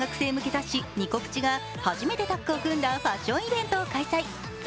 雑誌「ニコ☆プチ」が初めてタッグを組んだファッションショーを開催。